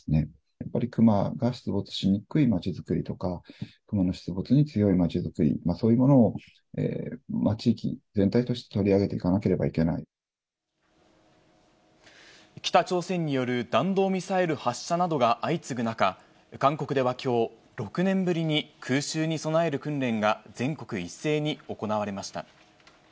やっぱりクマが出没しにくいまちづくりとか、クマの出没に強いまちづくり、そういうものを、地域全体として北朝鮮による弾道ミサイル発射などが相次ぐ中、韓国ではきょう、６年ぶりに空襲に備える訓練が全国一斉に行われました。